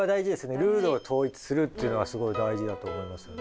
ルールを統一するっていうのはすごい大事だと思いますね。